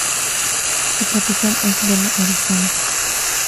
Su capital es Belo Horizonte.